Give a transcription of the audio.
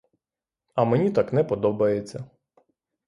А мені так не подобається.